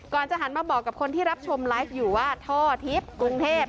จะหันมาบอกกับคนที่รับชมไลฟ์อยู่ว่าท่อทิพย์กรุงเทพ